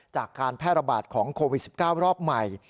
จากการแพร่ระบาดของโควิด๑๙รอบใหม่